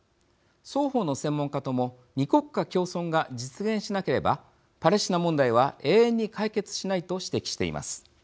双方の専門家とも２国家共存が実現しなければパレスチナ問題は永遠に解決しないと指摘しています。